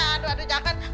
aduh aduh jangan